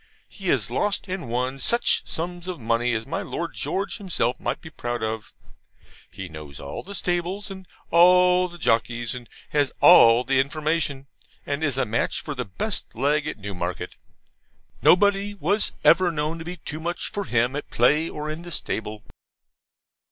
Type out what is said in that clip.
He has lost and won such sums of money as my Lord George himself might be proud of. He knows all the stables, and all the jockeys, and has all the 'information,' and is a match for the best Leg at Newmarket. Nobody was ever known to be 'too much' for him at play or in the stable.